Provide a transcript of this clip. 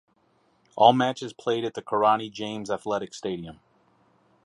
All matches played at the Kirani James Athletic Stadium.